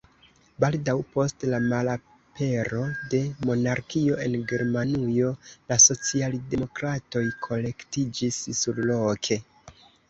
Baldaŭ post la malapero de monarkio en Germanujo la socialdemokratoj kolektiĝis surloke.